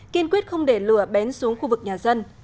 kiên quyết không để lửa bén xuống khu vực nhà dân